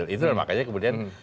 itu lah makanya kemudian